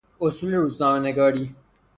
اصول روزنامه نگاری